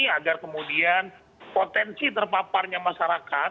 agar kemudian potensi terpaparnya masyarakat